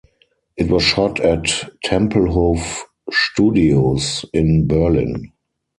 It was shot at Tempelhof Studios in Berlin.